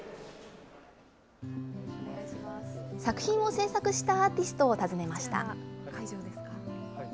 作品を制作したアーティストを訪ねました。